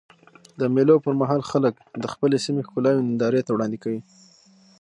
د مېلو پر مهال خلک د خپلي سیمي ښکلاوي نندارې ته وړاندي کوي.